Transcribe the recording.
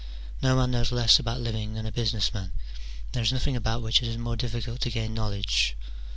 No man knows less about living than a business man : there is nothing about which it is more difficult to gain knowledge.